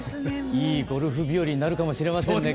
いいゴルフ日和になるかもしれませんね